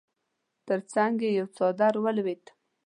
تر څنګ يې يو څادر ولوېد.